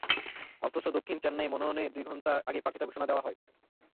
অথচ দক্ষিণ চেন্নাইয়ে মনোনয়নের দুই ঘণ্টা আগে প্রার্থিতা ঘোষণা দেওয়া হয়।